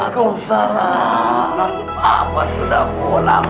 aku usahakan papa sudah pulang